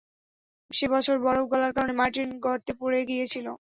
সে বছর বরফ গলার কারণে, মার্টিন গর্তে পড়ে গিয়েছিলো।